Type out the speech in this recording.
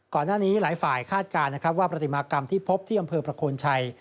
ก่อนหน้านี้หลายฝ่ายคาดการณ์นะครับว่าปฏิมากรรมที่พบที่อำเภอประโคนชัย